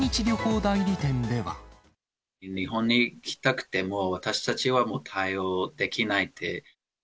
日本に行きたくても、私たちはもう対応できないんで。